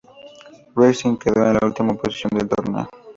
Racing quedó en la última posición del torneo.